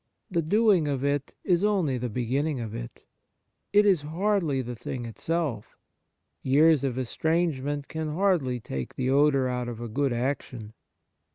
The doing of it is only the beginning of it ; it is hardly the thing itself. Years of estrangement can hardly take the odour out of a good action.